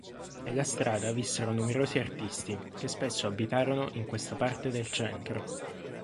Nella strada vissero numerosi artisti, che spesso abitarono in questa parte del centro.